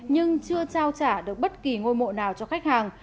nhưng chưa trao trả được bất kỳ ngôi mộ nào cho khách hàng